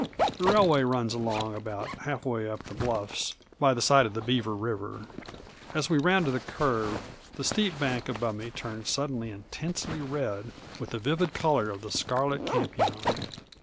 The railway runs along about half way up the bluffs by the side of the Beaver River; as we rounded a curve, the steep bank above me turned suddenly intensely red with the vivid color of the scarlet campion.